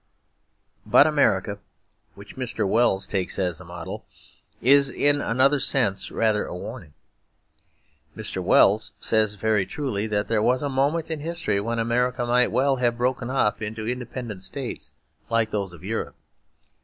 But America, which Mr. Wells takes as a model, is in another sense rather a warning. Mr. Wells says very truly that there was a moment in history when America might well have broken up into independent states like those of Europe.